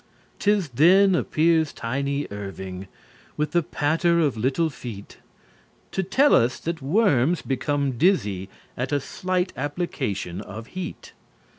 'Tis then appears tiny Irving With the patter of little feet, To tell us that worms become dizzy At a slight application of heat.